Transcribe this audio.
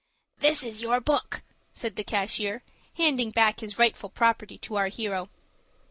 "This is your book," said the cashier, handing back his rightful property to our hero.